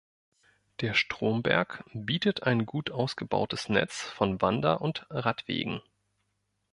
Der Stromberg bietet ein gut ausgebautes Netz von Wander- und Radwegen.